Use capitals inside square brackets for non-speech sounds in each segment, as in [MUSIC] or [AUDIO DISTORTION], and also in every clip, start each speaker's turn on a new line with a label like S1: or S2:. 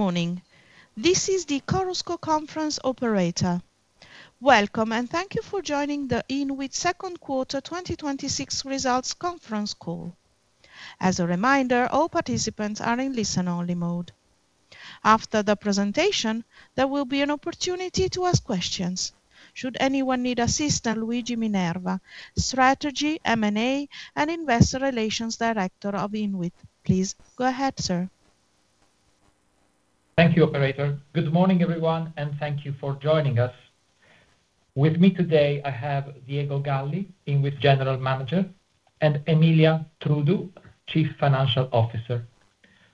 S1: Good morning. This is the Chorus Call conference operator. Welcome, and thank you for joining the Inwit Second Quarter 2026 Results Conference Call. As a reminder, all participants are in listen-only mode. After the presentation, there will be an opportunity to ask questions. Should anyone need assistance, Luigi Minerva, Chief Strategy, M&A & Investor Relations Officer of Inwit. Please go ahead, sir.
S2: Thank you, operator. Good morning, everyone, and thank you for joining us. With me today, I have Diego Galli, Inwit General Manager, and Emilia Trudu, Chief Financial Officer.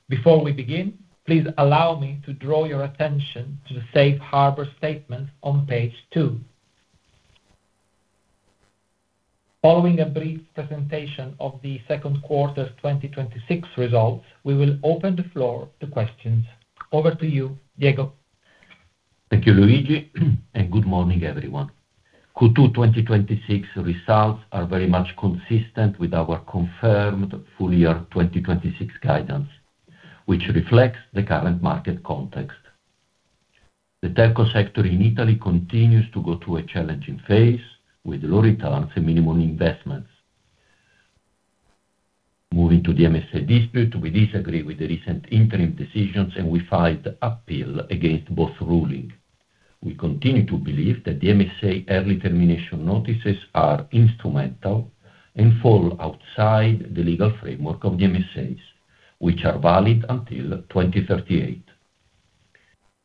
S2: Before we begin, please allow me to draw your attention to the safe harbor statement on page two. Following a brief presentation of the second quarter 2026 results, we will open the floor to questions. Over to you, Diego.
S3: Thank you, Luigi, and good morning, everyone. Q2 2026 results are very much consistent with our confirmed full year 2026 guidance, which reflects the current market context. The telco sector in Italy continues to go through a challenging phase with low returns and minimal investments. Moving to the MSA dispute, we disagree with the recent interim decisions, and we filed the appeal against both ruling. We continue to believe that the MSA early termination notices are instrumental and fall outside the legal framework of the MSAs, which are valid until 2038.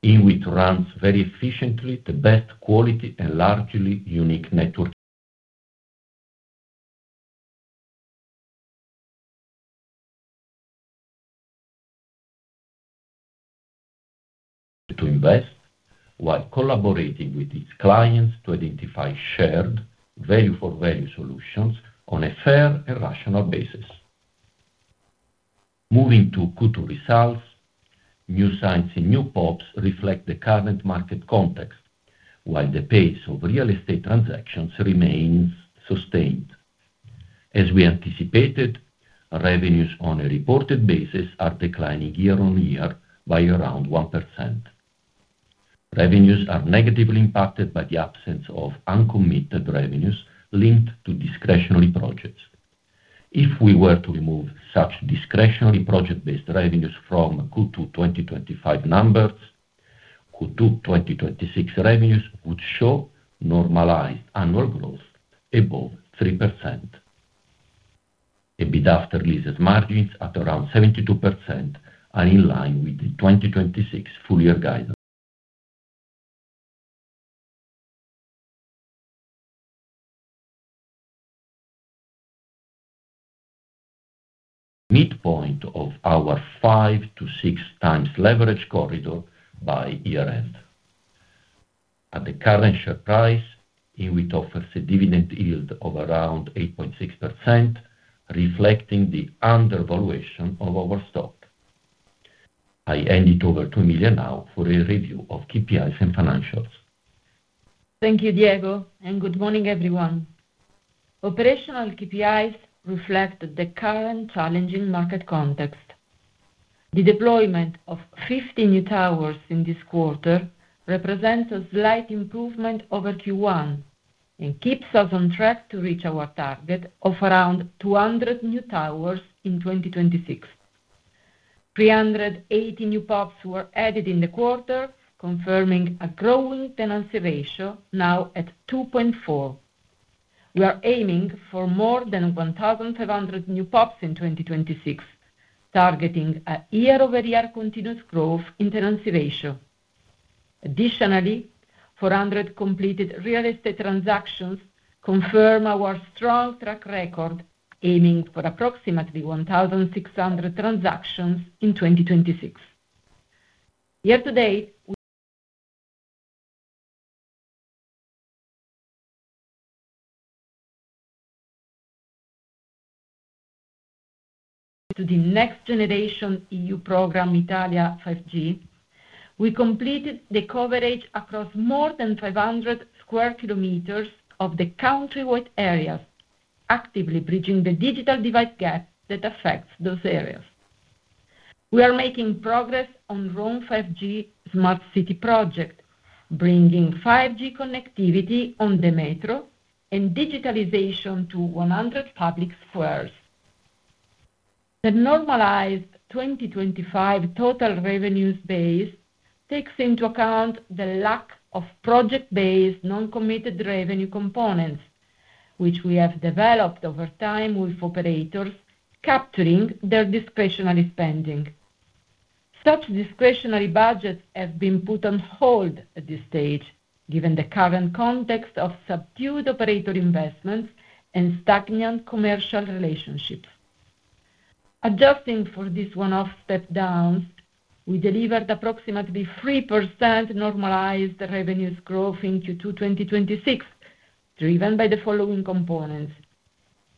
S3: Inwit runs very efficiently the best quality and largely unique network to invest while collaborating with its clients to identify shared value-for-value solutions on a fair and rational basis. Moving to Q2 results, new sites and new PoPs reflect the current market context, while the pace of real estate transactions remains sustained. As we anticipated, revenues on a reported basis are declining year-over-year by around 1%. Revenues are negatively impacted by the absence of uncommitted revenues linked to discretionary projects. If we were to remove such discretionary project-based revenues from Q2 2025 numbers, Q2 2026 revenues would show normalized annual growth above 3%. EBITDA margins at around 72% are in line with the 2026 full-year guidance. Midpoint of our 5x to 6x leverage corridor by year-end. At the current share price, Inwit offers a dividend yield of around 8.6%, reflecting the undervaluation of our stock. I hand it over to Emilia now for a review of KPIs and financials.
S4: Thank you, Diego, and good morning, everyone. Operational KPIs reflect the current challenging market context. The deployment of 50 new towers in this quarter represents a slight improvement over Q1 and keeps us on track to reach our target of around 200 new towers in 2026. 380 new PoPs were added in the quarter, confirming a growing tenancy ratio now at 2.4x. We are aiming for more than 1,500 new PoPs in 2026, targeting a year-over-year continuous growth in tenancy ratio. Additionally, 400 completed real estate transactions confirm our strong track record, aiming for approximately 1,600 transactions in 2026. Year-to-date, we to the next generation EU program, Italia 5G. We completed the coverage across more than 500 sq km of the countrywide areas, actively bridging the digital divide gap that affects those areas. We are making progress on Rome 5G smart city project, bringing 5G connectivity on the metro and digitalization to 100 public squares. The normalized 2025 total revenues base takes into account the lack of project-based, non-committed revenue components, which we have developed over time with operators capturing their discretionary spending. Such discretionary budgets have been put on hold at this stage, given the current context of subdued operator investments and stagnant commercial relationships. Adjusting for this one-off step downs, we delivered approximately 3% normalized revenues growth in Q2 2026, driven by the following components.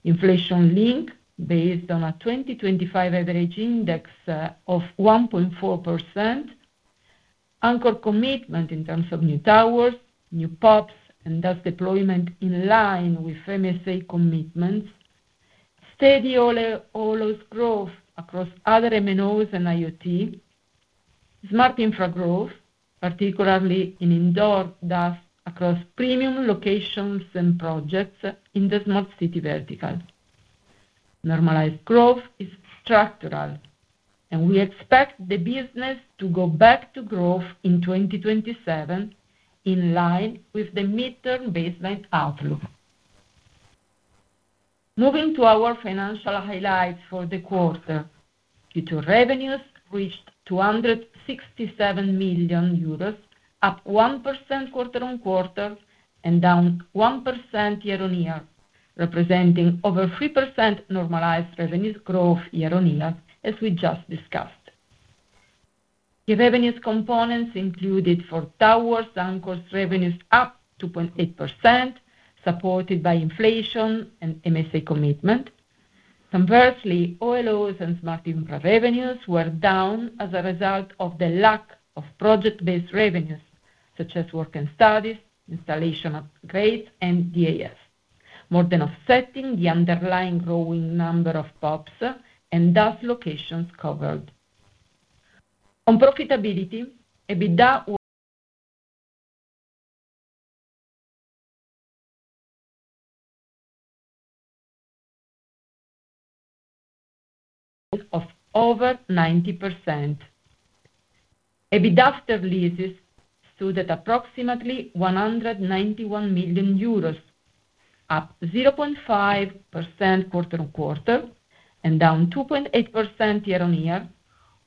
S4: Inflation link based on a 2025 average index of 1.4%. Anchor commitment in terms of new towers, new PoPs, and DAS deployment in line with MSA commitments. Steady OLOs growth across other MNOs and IoT. Smart Infrastructure growth, particularly in indoor DAS across premium locations and projects in the smart city vertical. Normalized growth is structural. We expect the business to go back to growth in 2027, in line with the midterm baseline outlook. Moving to our financial highlights for the quarter. Q2 revenues reached EUR 267 million, up 1% quarter-on-quarter, and down 1% year-on-year, representing over 3% normalized revenues growth year-on-year, as we just discussed. The revenues components included for towers, anchors revenues up 2.8%, supported by inflation and MSA commitment. Conversely, OLOs and Smart Infrastructure revenues were down as a result of the lack of project-based revenues, such as work and studies, installation upgrades, and DAS, more than offsetting the underlying growing number of PoPs and DAS locations covered. On profitability, EBITDA [AUDIO DISTORTION] of over 90%. EBITDA after leases stood at approximately 191 million euros, up 0.5% quarter-on-quarter, and down 2.8% year-on-year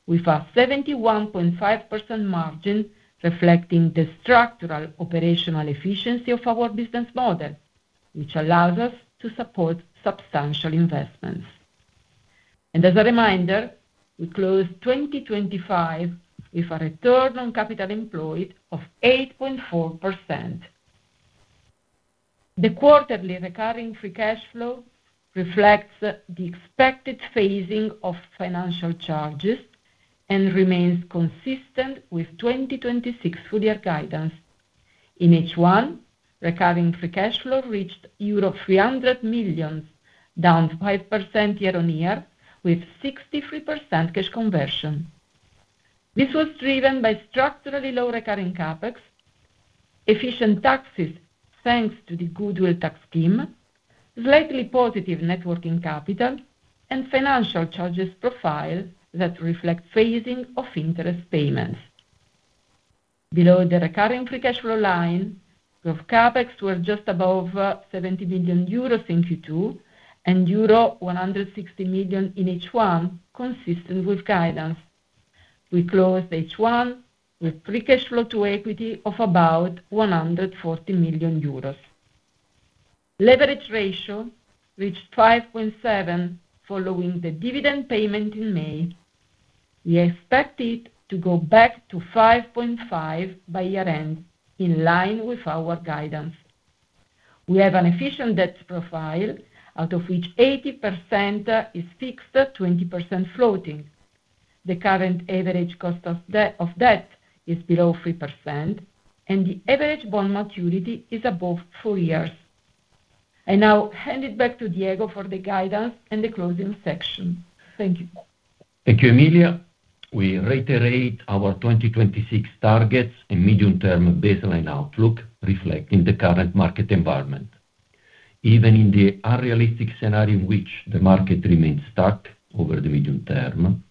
S4: with a 71.5% margin reflecting the structural operational efficiency of our business model, which allows us to support substantial investments. As a reminder, we closed 2025 with a return on capital employed of 8.4%. The quarterly recurring free cash flow reflects the expected phasing of financial charges and remains consistent with 2026 full-year guidance. In H1, recurring free cash flow reached euro 300 million, down 5% year-on-year, with 63% cash conversion. This was driven by structurally low recurring CapEx, efficient taxes thanks to the goodwill tax scheme, slightly positive networking capital, and financial charges profile that reflect phasing of interest payments. Below the recurring free cash flow line, our CapEx were just above 70 million euros in Q2 and euro 160 million in H1, consistent with guidance. We closed H1 with free cash flow to equity of about 140 million euros. Leverage ratio reached 5.7x following the dividend payment in May. We expect it to go back to 5.5x by year-end, in line with our guidance. We have an efficient debt profile, out of which 80% is fixed, 20% floating. The current average cost of debt is below 3%, and the average bond maturity is above four years. I now hand it back to Diego for the guidance and the closing section. Thank you.
S3: Thank you, Emilia. We reiterate our 2026 targets and medium-term baseline outlook reflecting the current market environment. Even in the unrealistic scenario in which the market remains stuck over the medium term,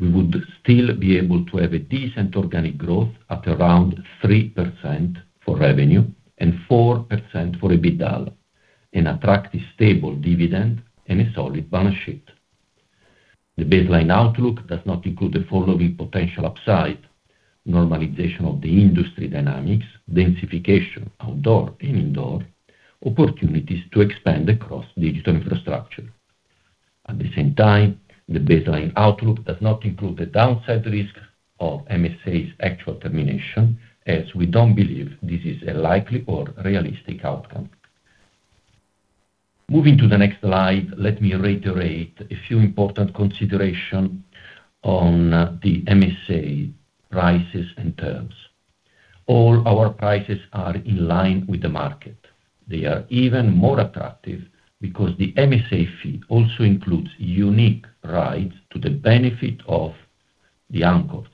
S3: we would still be able to have a decent organic growth at around 3% for revenue and 4% for EBITDA, an attractive stable dividend and a solid balance sheet. The baseline outlook does not include the following potential upside: normalization of the industry dynamics, densification outdoor and indoor, opportunities to expand across digital infrastructure. At the same time, the baseline outlook does not include the downside risk of MSA's actual termination, as we don't believe this is a likely or realistic outcome. Moving to the next slide, let me reiterate a few important consideration on the MSA prices and terms. All our prices are in line with the market. They are even more attractive because the MSA fee also includes unique rights to the benefit of the anchors.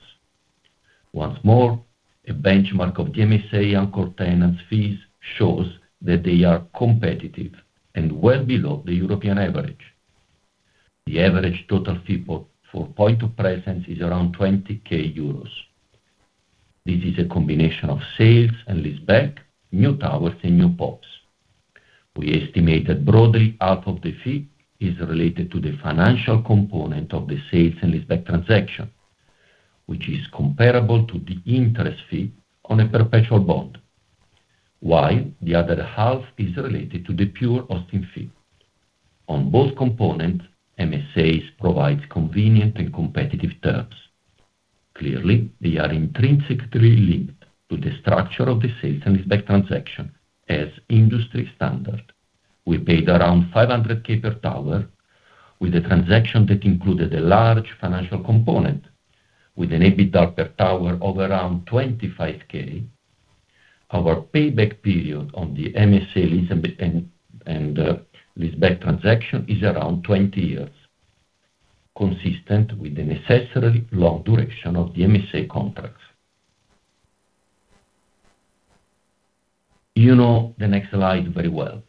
S3: Once more, a benchmark of the MSA anchor tenants fees shows that they are competitive and well below the European average. The average total fee for point of presence is around 20,000 euros. This is a combination of sales and lease back, new towers, and new PoPs. We estimate that broadly half of the fee is related to the financial component of the sales and lease back transaction, which is comparable to the interest fee on a perpetual bond, while the other half is related to the pure hosting fee. On both components, MSAs provides convenient and competitive terms. Clearly, they are intrinsically linked to the structure of the sales and lease back transaction as industry standard. We paid around 500,000 per tower with a transaction that included a large financial component with an EBITDA per tower of around 25,000. Our payback period on the MSA lease and leaseback transaction is around 20 years, consistent with the necessary long duration of the MSA contracts. You know the next slide very well.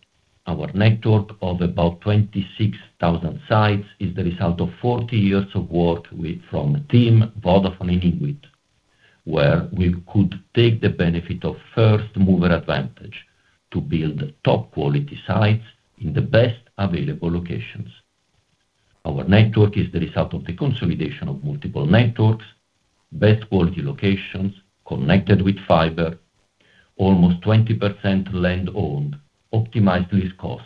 S3: Our network of about 26,000 sites is the result of 40 years of work from TIM, Vodafone, and Inwit, where we could take the benefit of first-mover advantage to build top-quality sites in the best available locations. Our network is the result of the consolidation of multiple networks, best quality locations, connected with fiber, almost 20% land-owned, optimized lease cost,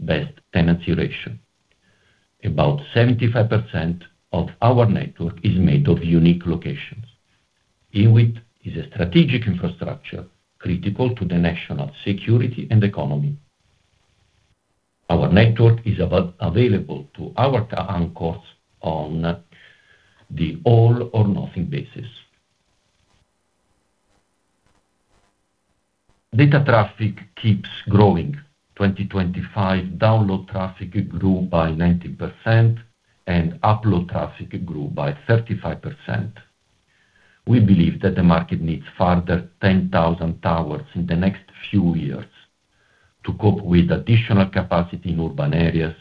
S3: best tenancy ratio. About 75% of our network is made of unique locations. Inwit is a strategic infrastructure critical to the national security and economy. Our network is available to our towers on the all-or-nothing basis. Data traffic keeps growing. 2025 download traffic grew by 19%, and upload traffic grew by 35%. We believe that the market needs a further 10,000 towers in the next few years to cope with additional capacity in urban areas,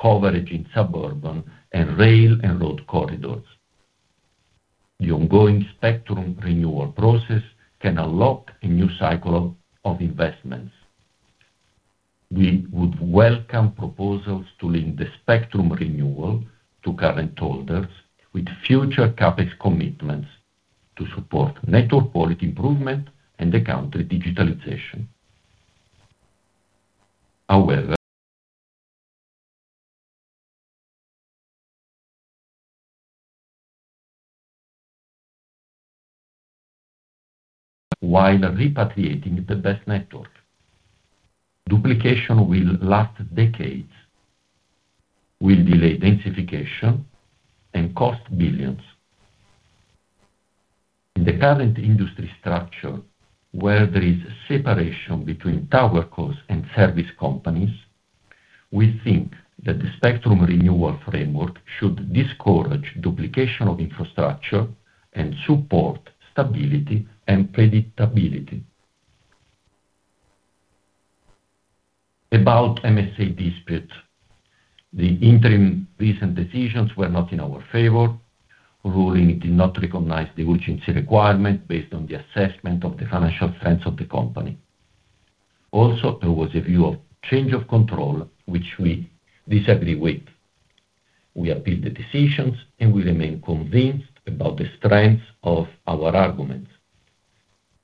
S3: coverage in suburban, and rail and road corridors. The ongoing spectrum renewal process can unlock a new cycle of investments. We would welcome proposals to link the spectrum renewal to current holders with future CapEx commitments to support network quality improvement and the country's digitalization. While repatriating the best network. Duplication will last decades, will delay densification, and cost billions. In the current industry structure, where there is separation between tower costs and service companies, we think that the spectrum renewal framework should discourage duplication of infrastructure and support stability and predictability. About MSA dispute. The interim recent decisions were not in our favor, ruling did not recognize the urgency requirement based on the assessment of the financial strength of the company. There was a view of change of control, which we disagree with. We appealed the decisions, and we remain convinced about the strength of our arguments.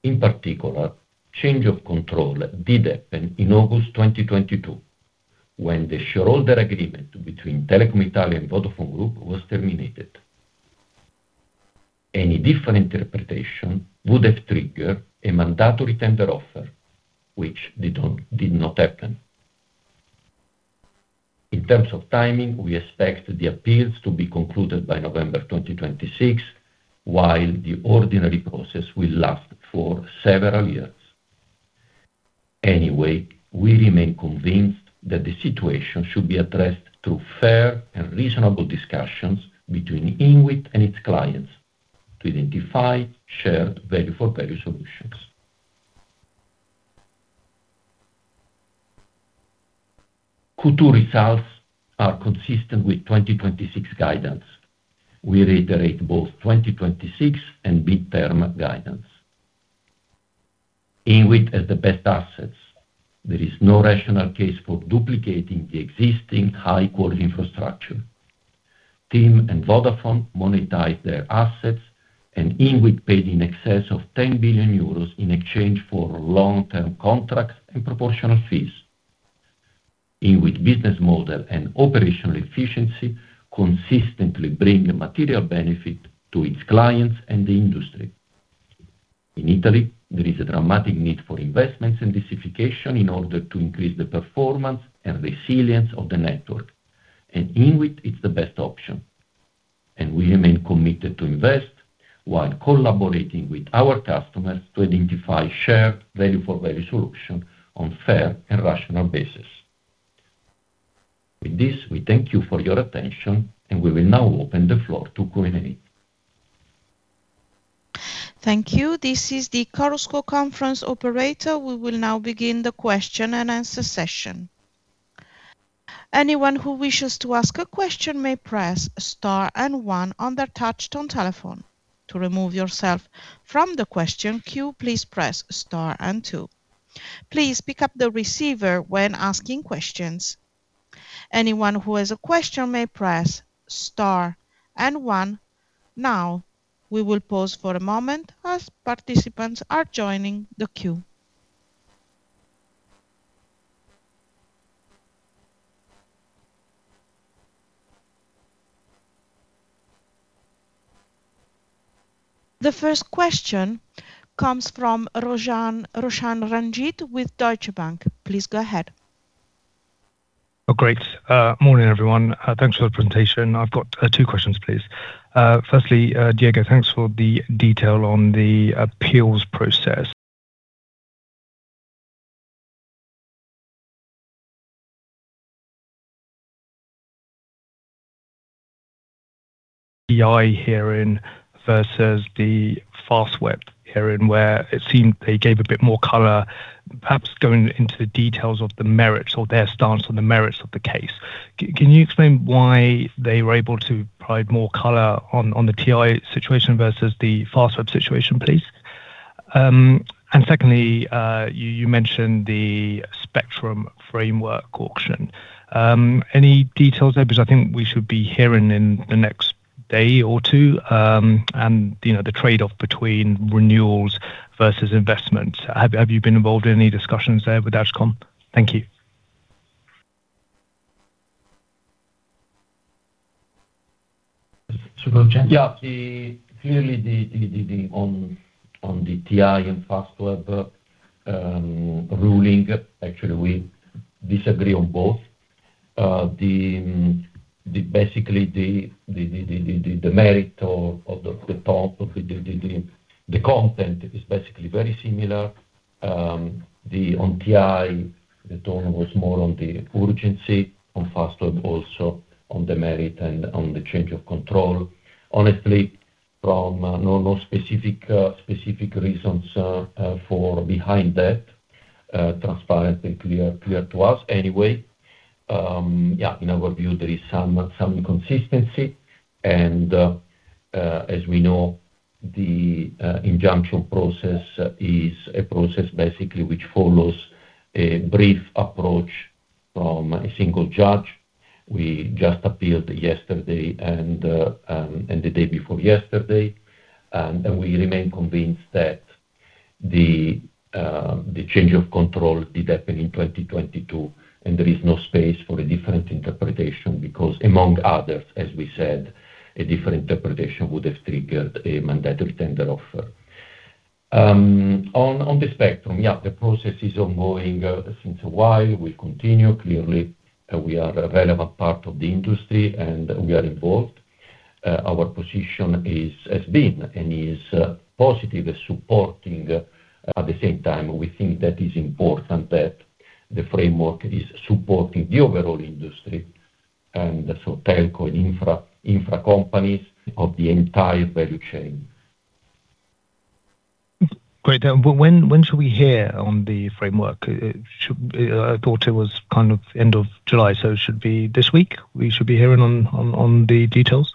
S3: In particular, change of control did happen in August 2022 when the shareholder agreement between Telecom Italia and Vodafone Group was terminated. Any different interpretation would have triggered a mandatory tender offer, which did not happen. In terms of timing, we expect the appeals to be concluded by November 2026, while the ordinary process will last for several years. We remain convinced that the situation should be addressed through fair and reasonable discussions between Inwit and its clients to identify shared value-for-value solutions. Q2 results are consistent with 2026 guidance. We reiterate both 2026 and mid-term guidance. Inwit has the best assets. There is no rational case for duplicating the existing high-quality infrastructure. TIM and Vodafone monetize their assets, and Inwit paid in excess of 10 billion euros in exchange for long-term contracts and proportional fees. Inwit business model and operational efficiency consistently bring a material benefit to its clients and the industry. In Italy, there is a dramatic need for investments and densification in order to increase the performance and resilience of the network, and Inwit is the best option. We remain committed to invest while collaborating with our customers to identify shared value-for-value solution on a fair and rational basis. With this, we thank you for your attention, and we will now open the floor to Q&A.
S1: Thank you. This is the Chorus Call conference operator. We will now begin the question-and-answer session. Anyone who wishes to ask a question may press star and one on their touch-tone telephone. To remove yourself from the question queue, please press star and two. Please pick up the receiver when asking questions. Anyone who has a question may press star and one now. We will pause for a moment as participants are joining the queue. The first question comes from Roshan Ranjit with Deutsche Bank. Please go ahead.
S5: Great. Morning, everyone. Thanks for the presentation. I've got two questions, please. Firstly, Diego, thanks for the detail on the appeals process. TI hearing versus the Fastweb hearing, where it seemed they gave a bit more color, perhaps going into the details of the merits or their stance on the merits of the case. Can you explain why they were able to provide more color on the TI situation versus the Fastweb situation, please? Secondly, you mentioned the spectrum framework auction. Any details there? Because I think we should be hearing in the next day or two, and the trade-off between renewals versus investment. Have you been involved in any discussions there with Agcom? Thank you.
S3: Yeah. Clearly, on the TI and Fastweb ruling, actually, we disagree on both. Basically, the merit or the content is basically very similar. On TI, the tone was more on the urgency. On Fastweb, also on the merit and on the change of control. Honestly, from no specific reasons behind that, transparent and clear to us anyway. Yeah, in our view, there is some inconsistency, and as we know, the injunction process is a process basically which follows a brief approach from a single judge. We just appealed yesterday and the day before yesterday, and we remain convinced that the change of control did happen in 2022, and there is no space for a different interpretation because, among others, as we said, a different interpretation would have triggered a mandatory tender offer. On the spectrum, yeah, the process is ongoing since a while. We continue. Clearly, we are a relevant part of the industry, and we are involved. Our position has been and is positive supporting. At the same time, we think that it's important that the framework is supporting the overall industry, and so telco and infra companies of the entire value chain.
S5: Great. When should we hear on the framework? I thought it was end of July, so it should be this week we should be hearing on the details?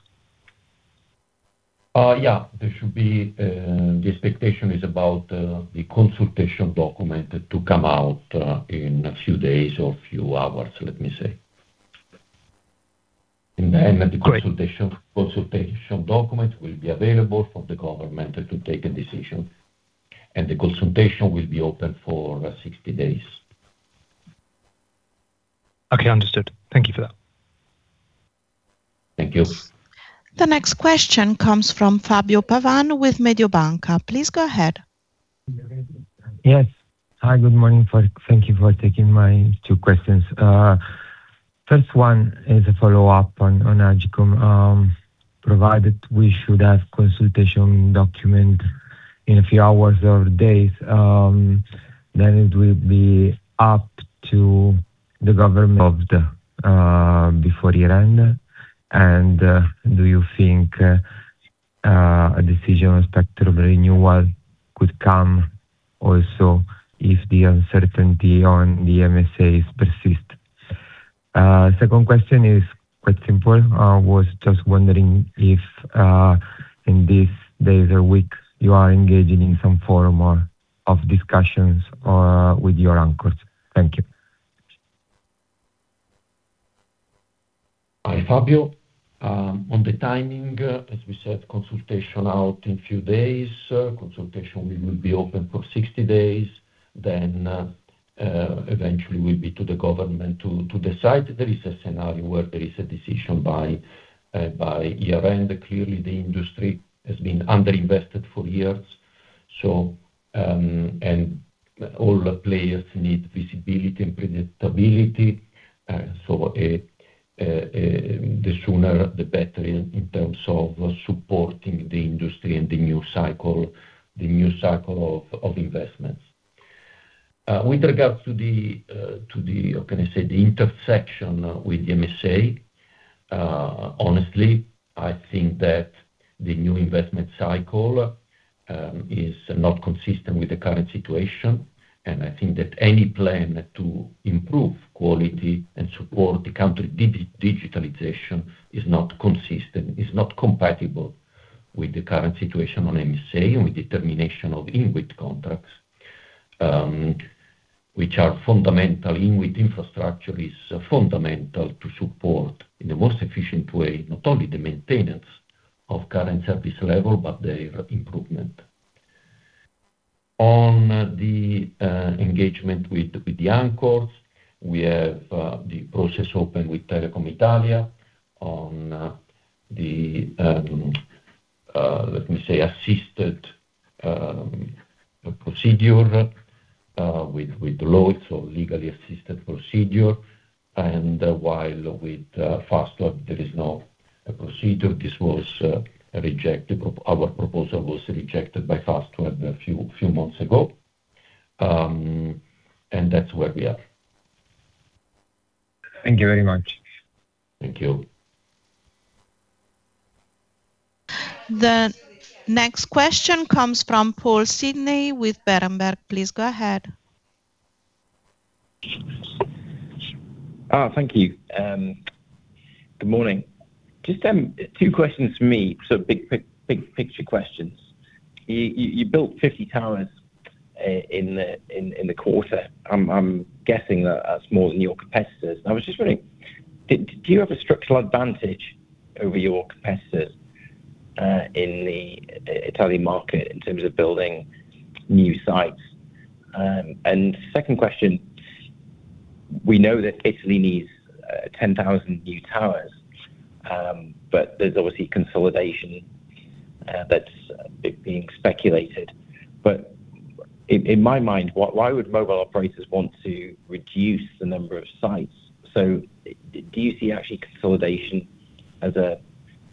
S3: Yeah. The expectation is about the consultation document to come out in a few days or a few hours, let me say.
S5: Great.
S3: The consultation document will be available for the government to take a decision, and the consultation will be open for 60 days.
S5: Okay, understood. Thank you for that.
S3: Thank you.
S1: The next question comes from Fabio Pavan with Mediobanca. Please go ahead.
S6: Yes. Hi, good morning. Thank you for taking my two questions. First one is a follow-up on Agcom. Provided we should have consultation document in a few hours or days, then it will be up to the government of the before year-end, and do you think a decision on spectrum renewal could come also if the uncertainty on the MSAs persist? Second question is quite simple. I was just wondering if in these days or weeks, you are engaging in some form of discussions with your anchors. Thank you.
S3: Hi, Fabio. On the timing, as we said, consultation out in few days. Eventually, will be to the government to decide. There is a scenario where there is a decision by year-end. Clearly, the industry has been under-invested for years, and all the players need visibility and predictability. The sooner, the better in terms of supporting the industry and the new cycle of investments. With regards to the, how can I say, the intersection with MSA, honestly, I think that the new investment cycle is not consistent with the current situation, and I think that any plan to improve quality and support the country digitalization is not consistent, is not compatible with the current situation on MSA and with the termination of Inwit contracts, which are fundamental. Inwit infrastructure is fundamental to support in the most efficient way, not only the maintenance of current service level, but their improvement. On the engagement with the anchors, we have the process open with Telecom Italia on the, let me say assisted procedure with the law, so legally assisted procedure. While with Fastweb, there is no procedure. Our proposal was rejected by Fastweb a few months ago. That's where we are.
S6: Thank you very much.
S3: Thank you.
S1: The next question comes from Paul Sidney with Berenberg. Please go ahead.
S7: Thank you. Good morning. Just two questions from me. Big picture questions. You built 50 towers in the quarter. I'm guessing that's more than your competitors. I was just wondering, do you have a structural advantage over your competitors, in the Italian market in terms of building new sites? Second question, we know that Italy needs 10,000 new towers. There's obviously consolidation that's being speculated. In my mind, why would mobile operators want to reduce the number of sites? Do you see actually consolidation as a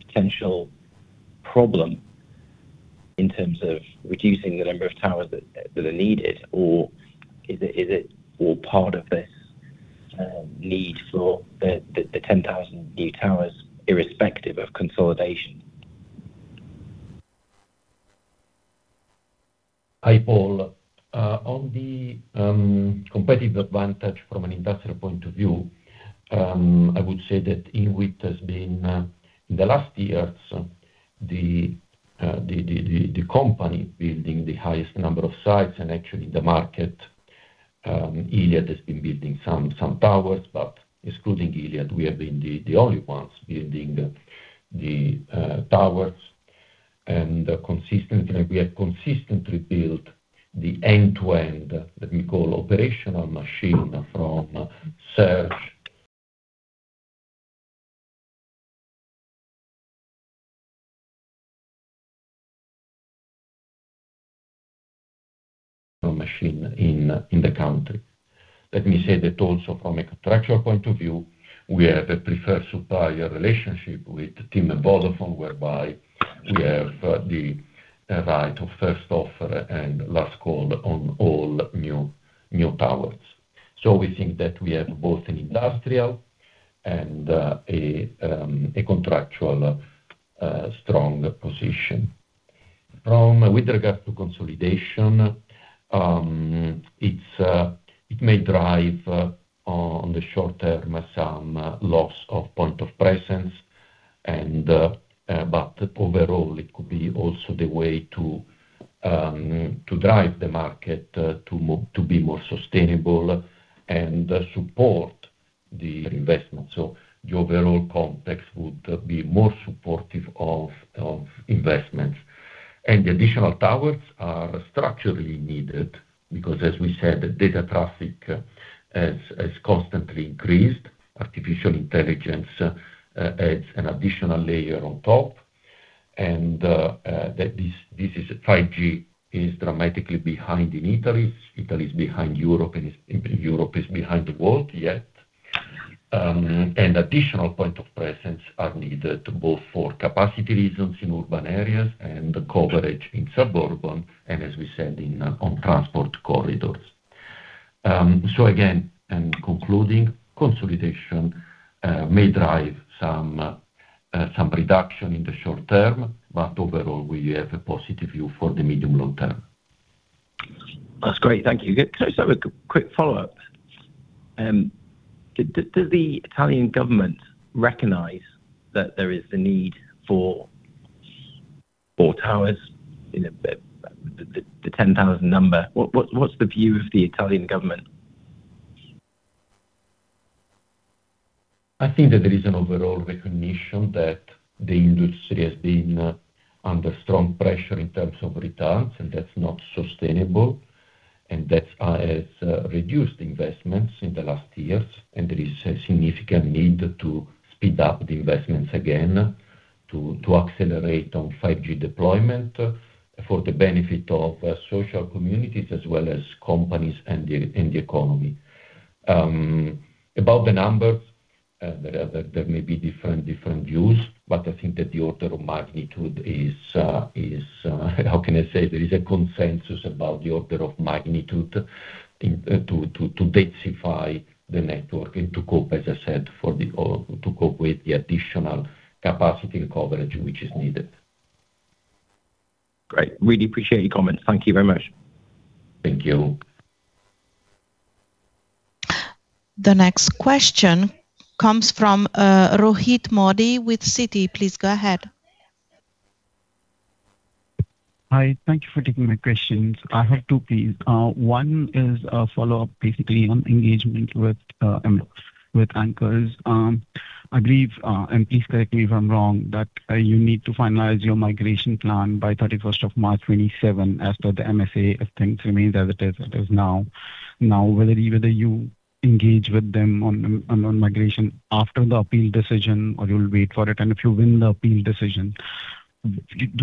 S7: potential problem in terms of reducing the number of towers that are needed, or is it all part of this need for the 10,000 new towers irrespective of consolidation?
S3: Hi, Paul. On the competitive advantage from an industrial point of view, I would say that Inwit has been, in the last years, the company building the highest number of sites and actually the market. Iliad has been building some towers, but excluding Iliad, we have been the only ones building the towers. We have consistently built the end-to-end that we call operational machine from search machine in the country. Let me say that also from a contractual point of view, we have a preferred supplier relationship with TIM and Vodafone whereby we have the right of first offer and last call on all new towers. We think that we have both an industrial and a contractual strong position. With regard to consolidation, it may drive on the short term some loss of point of presence. Overall it could be also the way to drive the market to be more sustainable and support the investment. The overall context would be more supportive of investments. The additional towers are structurally needed because as we said, data traffic has constantly increased. Artificial intelligence adds an additional layer on top. That this is 5G is dramatically behind in Italy. Italy is behind Europe and Europe is behind the world yet. Additional point of presence are needed both for capacity reasons in urban areas and the coverage in suburban and as we said on transport corridors. Again, concluding, consolidation may drive some reduction in the short term, but overall, we have a positive view for the medium long term.
S7: That's great. Thank you. Can I just have a quick follow-up? Does the Italian government recognize that there is the need for more towers in the 10,000 number? What's the view of the Italian government?
S3: I think that there is an overall recognition that the industry has been under strong pressure in terms of returns, and that's not sustainable, and that has reduced investments in the last years, and there is a significant need to speed up the investments again to accelerate on 5G deployment for the benefit of social communities as well as companies and the economy. About the numbers, there may be different views, but I think that the order of magnitude is, how can I say? There is a consensus about the order of magnitude to densify the network and to cope, as I said, to cope with the additional capacity and coverage which is needed.
S7: Great. Really appreciate your comments. Thank you very much.
S3: Thank you.
S1: The next question comes from Rohit Modi with Citi. Please go ahead.
S8: Hi, thank you for taking my questions. I have two, please. One is a follow-up basically on engagement with anchors. I believe, and please correct me if I'm wrong, that you need to finalize your migration plan by 31st of March 2027 as per the MSA, if things remain as it is now. Whether you engage with them on migration after the appeal decision or you'll wait for it. Do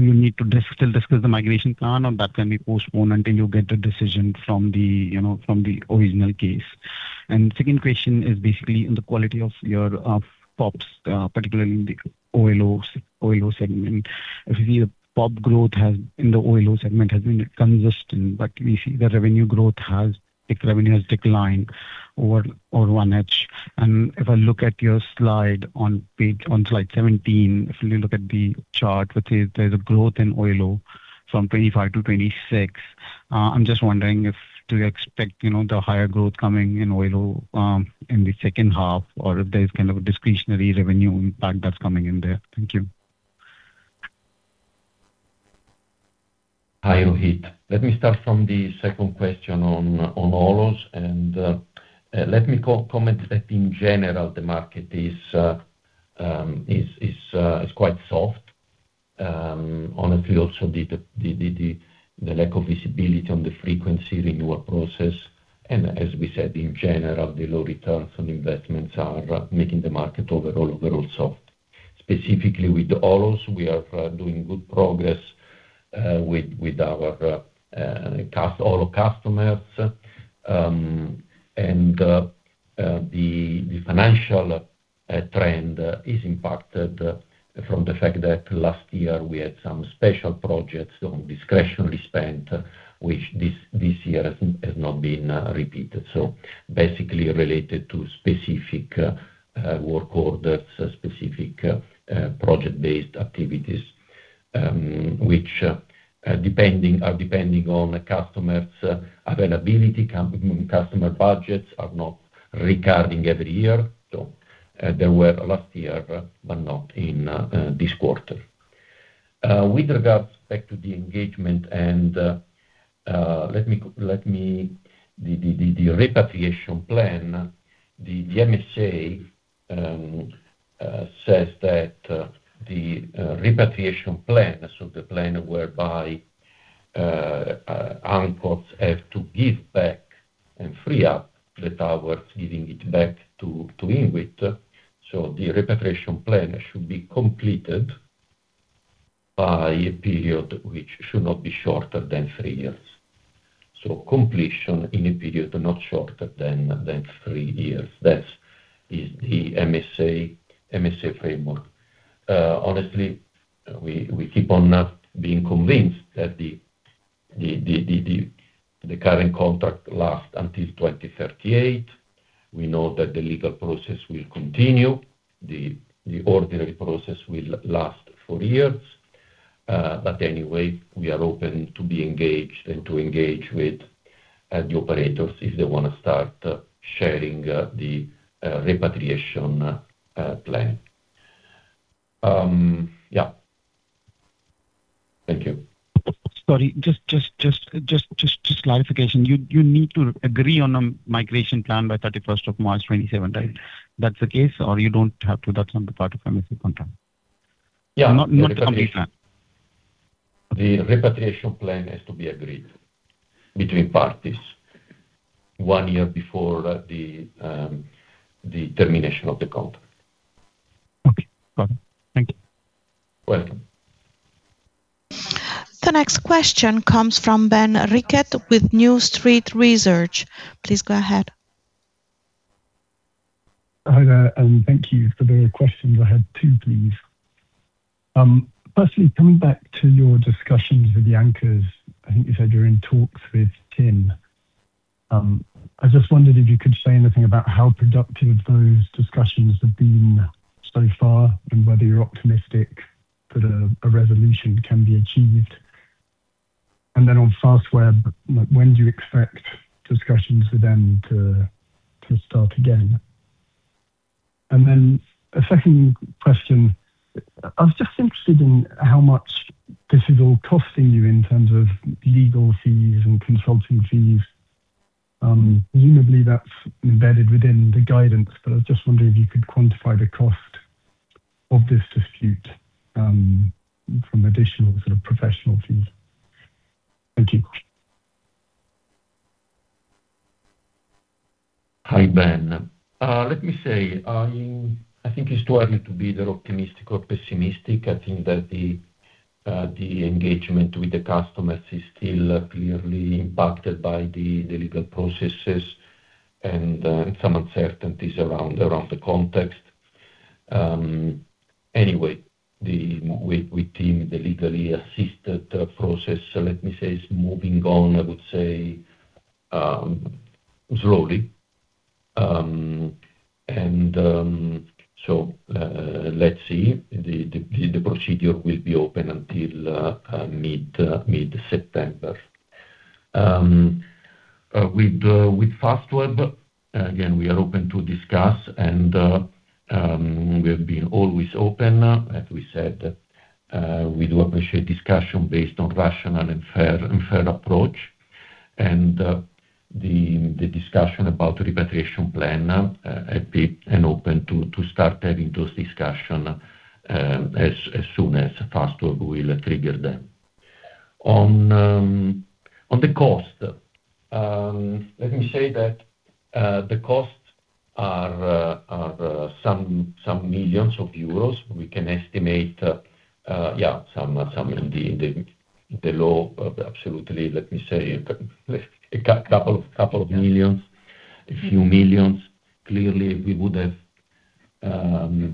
S8: you need to still discuss the migration plan, or that can be postponed until you get a decision from the original case? Second question is basically in the quality of your pops, particularly in the OLO segment. If you see the pop growth in the OLO segment has been consistent, we see the revenue growth has declined over 1H. If I look at your slide, on slide 17, if you look at the chart, which is there's a growth in OLO from 2025 to 2026. I'm just wondering if you expect the higher growth coming in OLO in the second half, or if there's kind of a discretionary revenue impact that's coming in there? Thank you.
S3: Hi, Rohit. Let me start from the second question on OLOs. Let me comment that in general, the market is quite soft. Also the lack of visibility on the frequency renewal process, as we said, in general, the low returns on investments are making the market overall soft. Specifically with OLOs, we are doing good progress with our OLO customers. The financial trend is impacted from the fact that last year we had some special projects on discretionary spend, which this year has not been repeated. Basically related to specific work orders, specific project-based activities, which are depending on the customer's availability, customer budgets are not recurring every year. There were last year, not in this quarter. With regards back to the engagement and the repatriation plan, the MSA says that the repatriation plan, so the plan whereby anchors have to give back and free up the towers, giving it back to Inwit. The repatriation plan should be completed by a period which should not be shorter than three years. Completion in a period not shorter than three years. That is the MSA framework. We keep on not being convinced that the current contract last until 2038. We know that the legal process will continue. The ordinary process will last for years. Anyway, we are open to be engaged and to engage with the operators if they want to start sharing the repatriation plan. Yeah. Thank you.
S8: Sorry, just clarification. You need to agree on a migration plan by 31st of March 2027, right? That's the case, or you don't have to, that's not the part of MSA contract?
S3: Yeah.
S8: Not the complete plan.
S3: The repatriation plan has to be agreed between parties one year before the termination of the contract.
S8: Okay, got it. Thank you.
S3: Welcome.
S1: The next question comes from Ben Rickett with New Street Research. Please go ahead.
S9: Hi there, and thank you for the questions. I had two, please. Firstly, coming back to your discussions with the anchors, I think you said you're in talks with TIM. I just wondered if you could say anything about how productive those discussions have been so far and whether you're optimistic that a resolution can be achieved. On Fastweb, when do you expect discussions with them to start again? A second question. I was just interested in how much this is all costing you in terms of legal fees and consulting fees. Presumably, that's embedded within the guidance, but I was just wondering if you could quantify the cost of this dispute from additional professional fees. Thank you.
S3: Hi, Ben. Let me say, I think it's too early to be either optimistic or pessimistic. I think that the engagement with the customers is still clearly impacted by the legal processes and some uncertainties around the context. Anyway, with TIM, the legally assisted process, let me say, is moving on, I would say, slowly. Let's see. The procedure will be open until mid-September. With Fastweb, again, we are open to discuss, and we have been always open. As we said, we do appreciate discussion based on rational and fair approach. The discussion about repatriation plan, happy and open to start having those discussion, as soon as Fastweb will trigger them. On the cost. Let me say that the costs are some millions of euros. We can estimate, yeah, some in the low, absolutely, let me say a couple of millions. A few millions. Clearly, we would have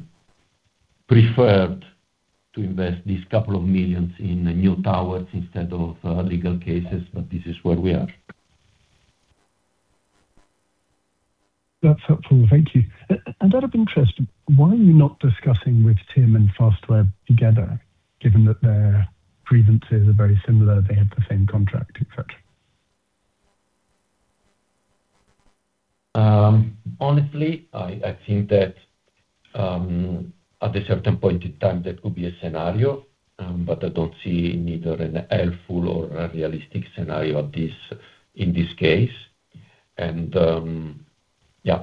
S3: preferred to invest these couple of millions in new towers instead of legal cases. This is where we are.
S9: That's helpful. Thank you. Out of interest, why are you not discussing with TIM and Fastweb together, given that their grievances are very similar, they had the same contract, et cetera?
S3: Honestly, I think that at a certain point in time that could be a scenario, I don't see neither a helpful or a realistic scenario of this in this case. Yeah.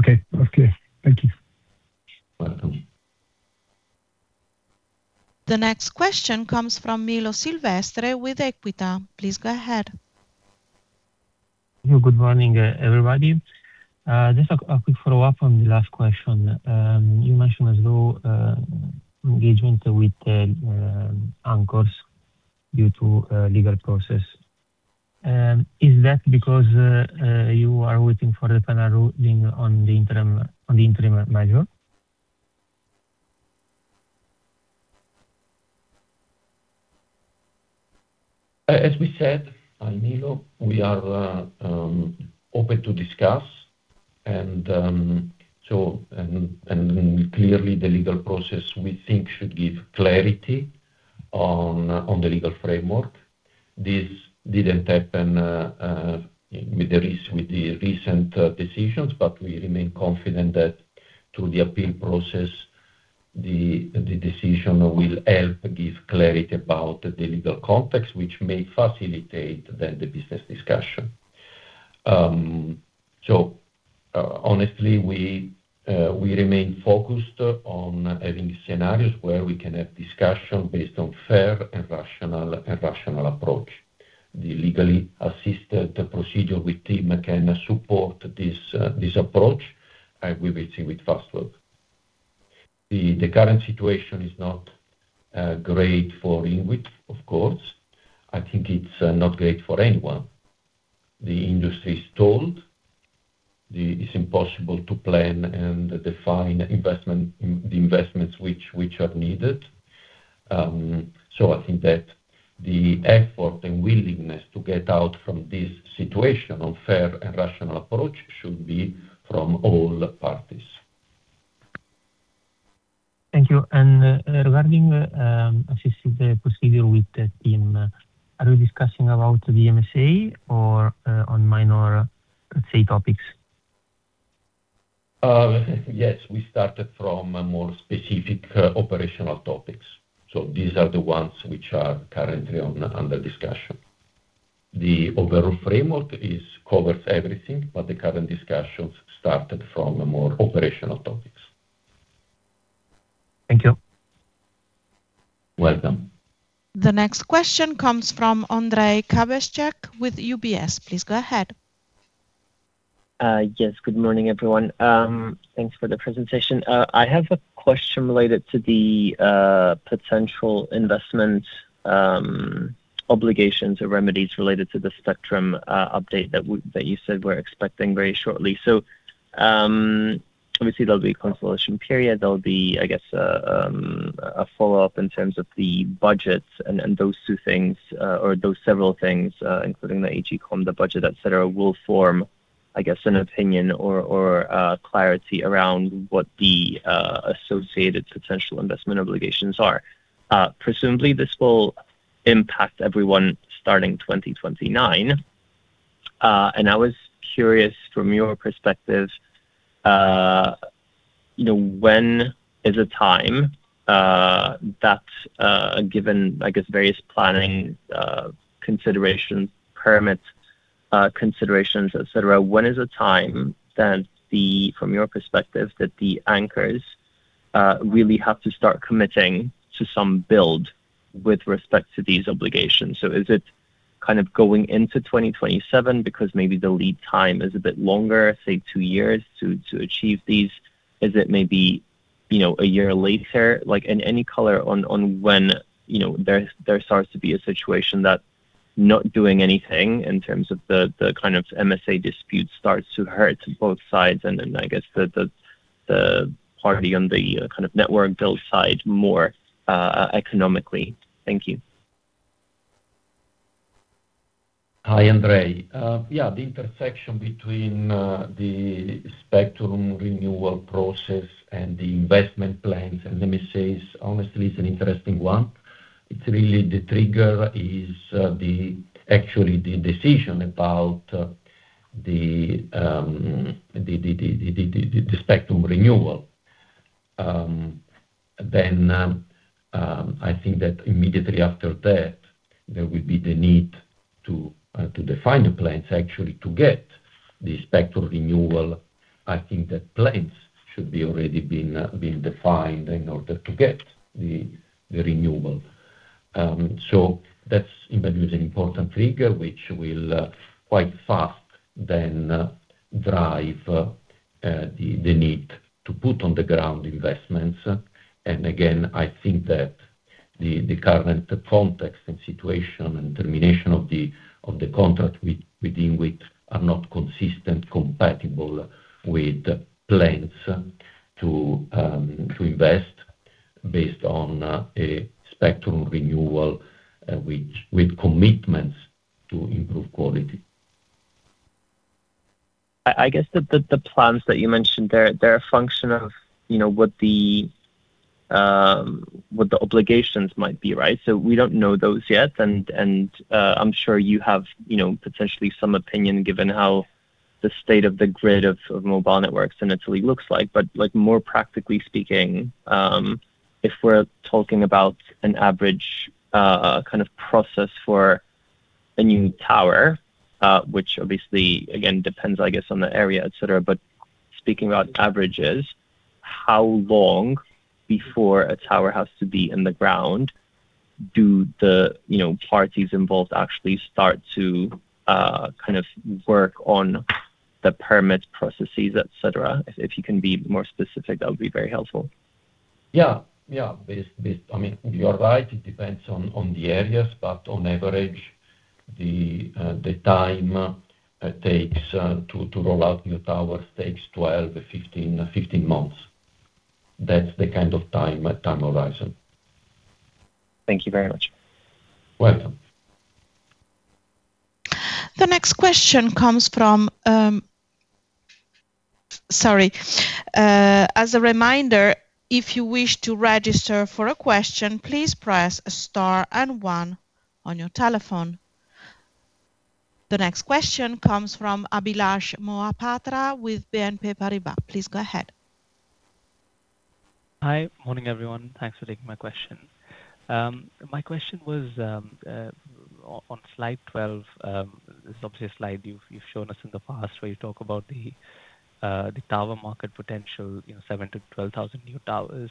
S9: Okay. Thank you.
S3: Welcome.
S1: The next question comes from Milo Silvestre with Equita. Please go ahead.
S10: Good morning, everybody. Just a quick follow-up on the last question. You mentioned as low engagement with anchors due to legal process. Is that because you are waiting for the final ruling on the interim measure?
S3: As we said, Milo, we are open to discuss. Clearly the legal process we think should give clarity on the legal framework. This didn't happen with the recent decisions, but we remain confident that through the appeal process, the decision will help give clarity about the legal context, which may facilitate then the business discussion. Honestly, we remain focused on having scenarios where we can have discussion based on fair and rational approach. The legally assisted procedure with TIM can support this approach, and we will see with Fastweb. The current situation is not great for Inwit, of course. I think it's not great for anyone. The industry is stalled. It's impossible to plan and define the investments which are needed. I think that the effort and willingness to get out from this situation of fair and rational approach should be from all parties.
S10: Thank you. Regarding assisted procedure with TIM, are we discussing about the MSA or on minor, let's say, topics?
S3: Yes. We started from more specific operational topics. These are the ones which are currently under discussion. The overall framework covers everything, but the current discussions started from more operational topics.
S10: Thank you.
S3: Welcome.
S1: The next question comes from Ondrej Cabejsek with UBS. Please go ahead.
S11: Yes. Good morning, everyone. Thanks for the presentation. I have a question related to the potential investment obligations or remedies related to the spectrum update that you said we're expecting very shortly. Obviously there'll be a consolidation period. There'll be, I guess, a follow-up in terms of the budgets and those two things or those several things including the Agcom, the budget, et cetera, will form, I guess, an opinion or clarity around what the associated potential investment obligations are. Presumably this will impact everyone starting 2029. I was curious from your perspective, when is a time that given, I guess, various planning considerations, permits considerations, et cetera, when is a time then from your perspective that the anchors really have to start committing to some build with respect to these obligations? Is it kind of going into 2027 because maybe the lead time is a bit longer, say two years to achieve these? Is it maybe a year later? Any color on when there starts to be a situation that not doing anything in terms of the kind of MSA dispute starts to hurt both sides and then I guess the party on the kind of network build side more economically. Thank you.
S3: Hi, Ondrej. Yeah, the intersection between the spectrum renewal process and the investment plans and the MSAs honestly is an interesting one. It's really the trigger is actually the decision about the spectrum renewal. I think that immediately after that, there will be the need to define the plans actually to get the spectrum renewal. I think that plans should be already been defined in order to get the renewal. That introduces an important trigger, which will quite fast then drive the need to put on the ground investments. Again, I think that the current context and situation and termination of the contract with Inwit are not consistent, compatible with plans to invest based on a spectrum renewal with commitments to improve quality.
S11: I guess the plans that you mentioned, they're a function of what the obligations might be, right? We don't know those yet, and I'm sure you have potentially some opinion given how the state of the grid of mobile networks in Italy looks like. More practically speaking, if we're talking about an average kind of process for a new tower, which obviously, again, depends, I guess, on the area, et cetera, but speaking about averages, how long before a tower has to be in the ground do the parties involved actually start to work on the permit processes, et cetera? If you can be more specific, that would be very helpful.
S3: Yeah. You're right, it depends on the areas. On average, the time it takes to roll out new towers takes 12-15 months. That's the kind of time horizon.
S11: Thank you very much.
S3: Welcome.
S1: The next question comes from. Sorry. As a reminder, if you wish to register for a question, please press star and one on your telephone. The next question comes from Abhilash Mohapatra with BNP Paribas. Please go ahead.
S12: Hi. Morning, everyone. Thanks for taking my question. My question was on slide 12. This is obviously a slide you've shown us in the past where you talk about the tower market potential, 7,000-12,000 new towers.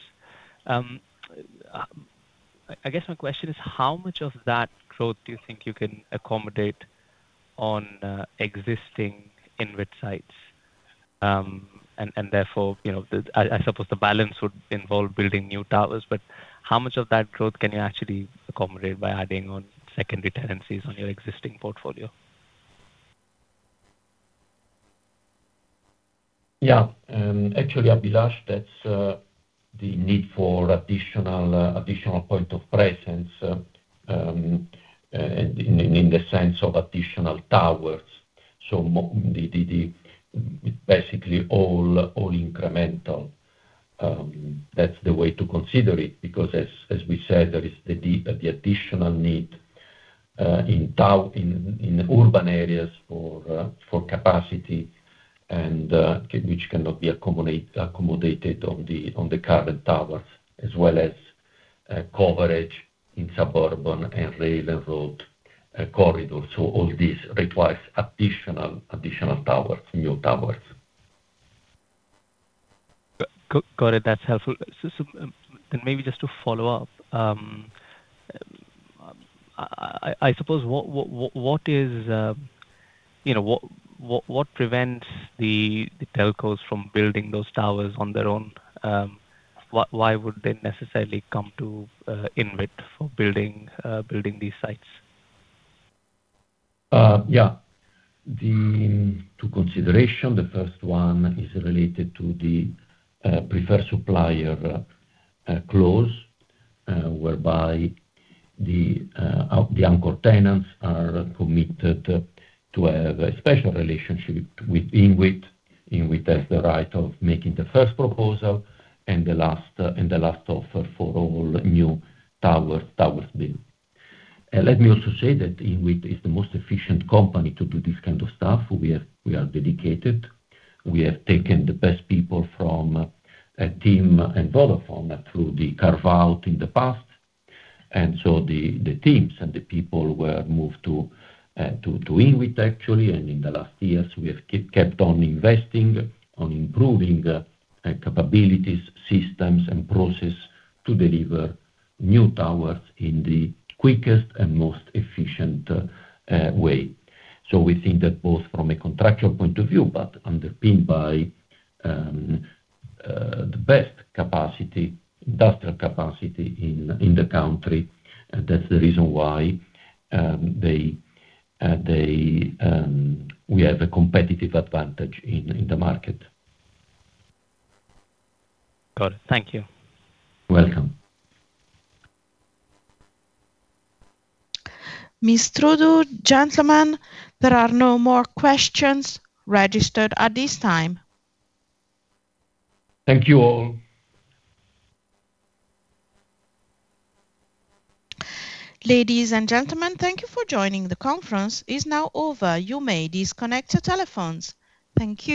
S12: I guess my question is, how much of that growth do you think you can accommodate on existing Inwit sites? Therefore, I suppose the balance would involve building new towers, how much of that growth can you actually accommodate by adding on secondary tenancies on your existing portfolio?
S3: Yeah. Actually, Abhilash, that's the need for additional point of presence in the sense of additional towers. Basically all incremental. That's the way to consider it, because as we said, there is the additional need in urban areas for capacity and which cannot be accommodated on the current towers, as well as coverage in suburban and rail and road corridors. All this requires additional towers, new towers.
S12: Got it. That's helpful. Maybe just to follow up. I suppose, what prevents the telcos from building those towers on their own? Why would they necessarily come to Inwit for building these sites?
S3: Yeah. Two consideration. The first one is related to the preferred supplier clause, whereby the anchor tenants are committed to have a special relationship with Inwit. Inwit has the right of making the first proposal and the last offer for all new towers built. Let me also say that Inwit is the most efficient company to do this kind of stuff. We are dedicated. We have taken the best people from TIM and Vodafone through the carve-out in the past. The teams and the people were moved to Inwit, actually. In the last years, we have kept on investing, on improving capabilities, systems, and process to deliver new towers in the quickest and most efficient way. We think that both from a contractual point of view, but underpinned by the best capacity, industrial capacity in the country. That's the reason why we have a competitive advantage in the market.
S12: Got it. Thank you.
S3: You're welcome.
S1: Ms. Trudu, gentlemen, there are no more questions registered at this time.
S3: Thank you all.
S1: Ladies and gentlemen, thank you for joining. The conference is now over. You may disconnect your telephones. Thank you.